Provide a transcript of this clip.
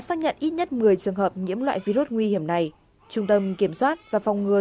xác nhận ít nhất một mươi trường hợp nhiễm loại virus nguy hiểm này trung tâm kiểm soát và phòng ngừa